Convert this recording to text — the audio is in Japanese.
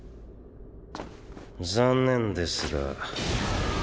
残念ですが。